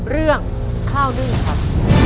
เรื่องข้าวนึ่งครับ